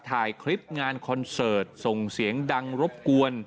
ถ่ายคลิปงานคอนเสิร์ตส่งเสียงดังรบกวน